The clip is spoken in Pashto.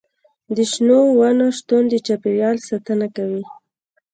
د شنو ونو شتون د چاپیریال ساتنه کوي.